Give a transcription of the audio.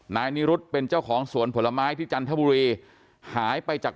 นายนีรุฑเป็นเจ้าของสวนผลไม้ที่จันทบุรี